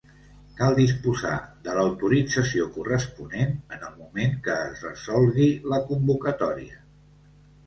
Cal disposar de l'autorització corresponent en el moment que es resolgui la convocatòria.